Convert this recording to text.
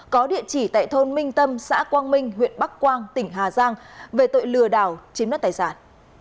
có địa chỉ tại thôn minh tâm xã quang minh huyện bắc quang tỉnh hà giang về tội lừa đảo chiếm đất tài sản